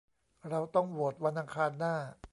เราต้องโหวตวันอังคารหน้า